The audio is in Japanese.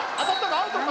アウトか？